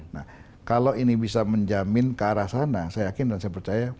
nah kalau ini bisa menjamin ke arah sana saya yakin dan saya percaya